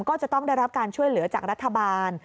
ก็จะต้องได้รับการช่วยเหลือจากรัฐบาล